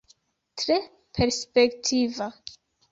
Tre perspektiva.